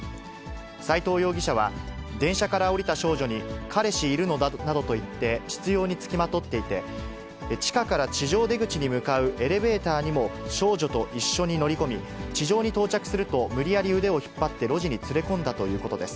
斎藤容疑者は、電車から降りた少女に、彼氏いるの？などと言って執拗に付きまとっていて、地下から地上出口に向かうエレベーターにも少女と一緒に乗り込み、地上に到着すると、無理やり腕を引っ張って路地に連れ込んだということです。